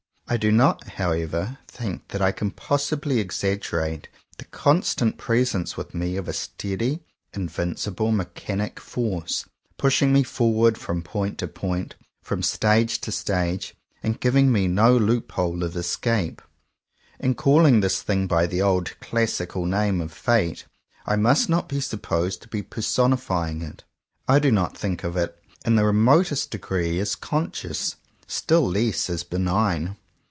I do not, however, think that I can possibly exaggerate the constant presence with me of a steady invincible mechanic force, pushing me forward from point to point, from stage to stage, and giving me no loophole of escape. In calling this thing by the old classical name of Fate, I must not be supposed to be personifying it. I do not think of it in the remotest degree as conscious, still less as benign.